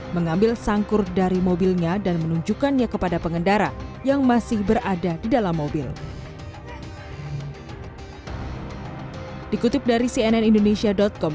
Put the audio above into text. mengambil sangkur dari mobilnya dan menunjukkannya kepada pengendara yang masih berada di dalam mobil